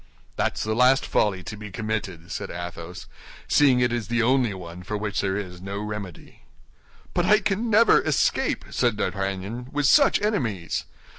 "That's the last folly to be committed," said Athos, "seeing it is the only one for which there is no remedy." "But I can never escape," said D'Artagnan, "with such enemies.